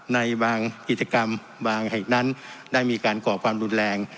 ในบางกิจกรรมบางแห่งนั้นได้มีการก่อความรุนแรง